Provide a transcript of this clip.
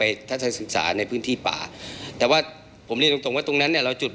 มีการที่จะพยายามติดศิลป์บ่นเจ้าพระงานนะครับ